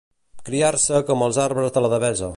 Criar-se com els arbres de la Devesa.